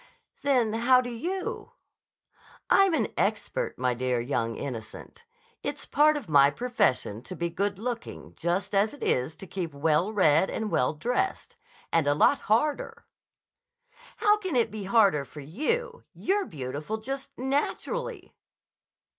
"Then how do you?" "I'm an expert, my dear young innocent. It's part of my profession to be good looking just as it is to keep well read and well dressed. And a lot harder!" "How can it be harder for you? You're beautiful just naturally."